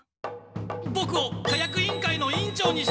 ボクを火薬委員会の委員長にしてください！